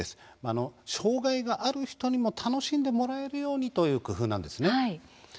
障害がある人にも楽しんでもらえるようにという工夫です。